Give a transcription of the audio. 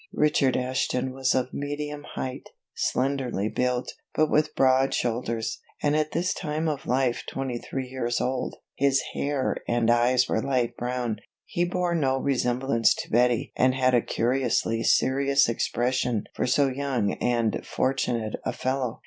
Richard Ashton was of medium height, slenderly built, but with broad shoulders, and at this time of life twenty three years old. His hair and eyes were light brown; he bore no resemblance to Betty and had a curiously serious expression for so young and fortunate a fellow.